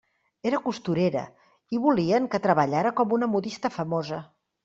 Era costurera, i volien que treballara com una modista famosa.